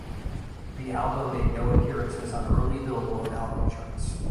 The album made no appearances on early "Billboard" album charts.